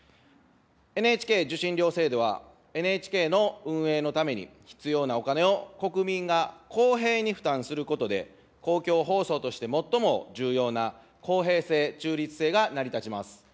ＮＨＫ受信料制度はＮＨＫの運営のために必要なお金を国民が公平に負担することで、公共放送として最も重要な公平性、中立性が成り立ちます。